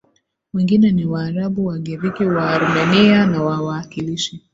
wengine ni Waarabu Wagiriki Waarmenia na wawakilishi